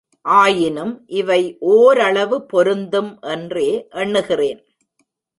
ஆயினும் இவை ஓரளவு பொருந்தும் என்றே எண்ணுகிறேன்.